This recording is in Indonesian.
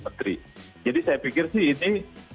menteri jadi saya pikir sih ini